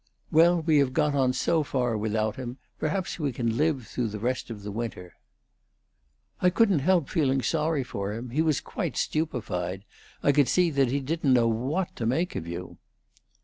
"Well, we have got on so far without him; perhaps we can live through the rest of the winter." "I couldn't help feeling sorry for him. He was quite stupefied. I could see that he didn't know what to make of you."